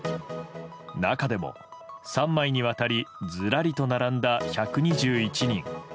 中でも、３枚にわたりずらりと並んだ１２１人。